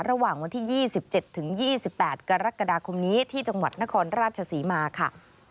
ระหว่างวันที่๒๗ถึง๒๘กรกฎาคมนี้ที่จังหวัดนครราชศรีมาค่ะ